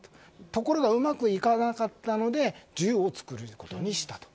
ところがうまくいかなかったので銃を作ることにしたと。